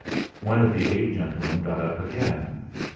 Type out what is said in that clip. One of the eight gentlemen got up again.